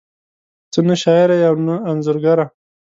ته نه شاعره ېې او نه انځورګره